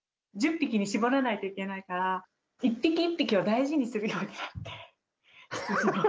１０匹に絞らないといけないから、一匹一匹を大事にするようになって。